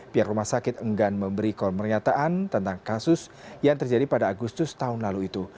pihak rumah sakit enggan memberi komenyataan tentang kasus yang terjadi pada agustus tahun lalu itu